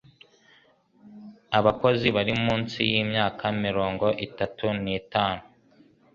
abakozi bari munsi y'imyaka murongo itatu nitanu